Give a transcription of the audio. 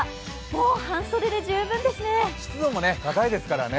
もう半袖で十分ですね。